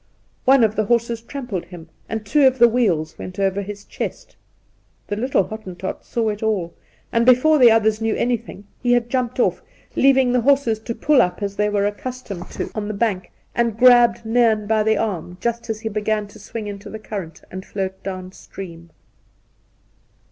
One of the horses trampled him, and two of the wheels went over his' chest. The little Hottentot saw it all, and before the others knew anything, he had jumped oflF, leaving the horses to pull up as they were accustomed to on 8—2 1 1 6 Induna Nairn the bank, and grabbed Nairn by the arm just as he began to swing into the current and float down stream.